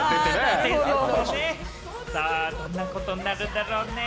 どんなことになるだろうね。